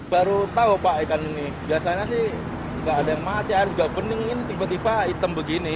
baru tahu pak ikan ini biasanya sih nggak ada yang mati air juga bening ini tiba tiba hitam begini